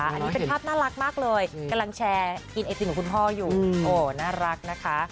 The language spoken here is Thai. อันนี้เป็นภาพน่ารักมากเลยกำลังแชร์กินไอติมของคุณพ่ออยู่โอ้น่ารักนะคะ